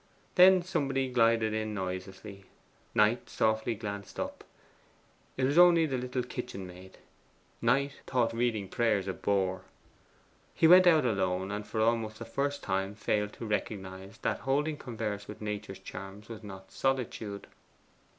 Then somebody glided in noiselessly; Knight softly glanced up: it was only the little kitchen maid. Knight thought reading prayers a bore. He went out alone, and for almost the first time failed to recognize that holding converse with Nature's charms was not solitude.